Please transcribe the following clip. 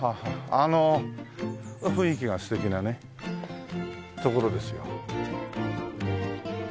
あの雰囲気が素敵なね所ですよ。